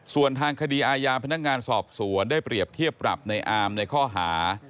ส่วนทางคดีอาญาพนักงานสอบสวนได้เปรียบเทียบปรับในอามในข้อหา